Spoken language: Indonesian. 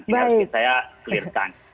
ini harus saya clear kan